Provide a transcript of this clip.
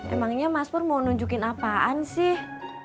emangnya mas pur mau nunjukin apaan sih